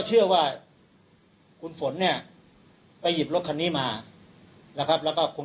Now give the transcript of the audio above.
เชื่อว่าคุณฝนเนี่ยไปหยิบรถคันนี้มานะครับแล้วก็คง